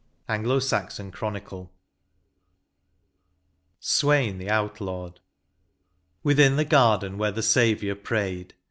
— Anglo Saxon Chronicle^ 169 LXXXIV. SWEYN, THE OUTLAWED. Within the garden where the Saviour prayed.